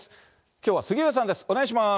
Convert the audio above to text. きょうは杉上さんです。